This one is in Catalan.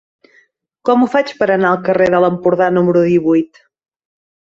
Com ho faig per anar al carrer de l'Empordà número divuit?